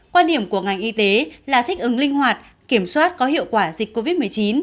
quan điểm của ngành y tế là thích ứng linh hoạt kiểm soát có hiệu quả dịch covid một mươi chín